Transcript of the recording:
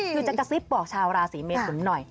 คือจะกระซิบบอกชาวราศีเมทุนหน่อย